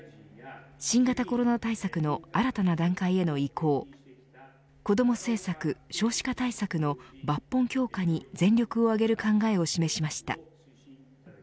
新型コロナ対策の新たな段階への移行子ども政策、少子化対策の抜本強化に全力を挙げる考えを示しました。